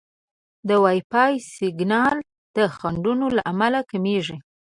د وائی فای سیګنال د خنډونو له امله کمېږي.